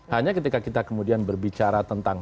hanya ketika kita kemudian berbicara tentang